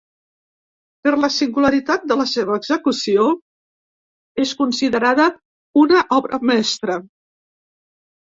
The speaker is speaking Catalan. Per la singularitat de la seva execució, és considerada una obra mestra.